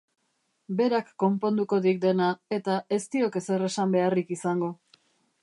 Berak konponduko dik dena, eta ez diok ezer esan beharrik izango.